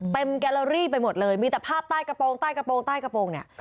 แกลลอรี่ไปหมดเลยมีแต่ภาพใต้กระโปรงใต้กระโปรงใต้กระโปรงเนี่ย